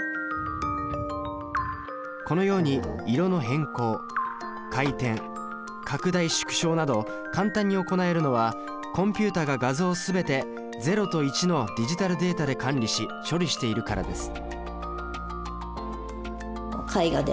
このように色の変更回転拡大縮小などを簡単に行えるのはコンピュータが画像を全て０と１のディジタルデータで管理し処理しているからです。